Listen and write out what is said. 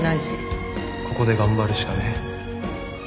ここで頑張るしかねえ